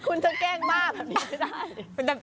คุณจะแกล้งบ้าแบบนี้ไม่ได้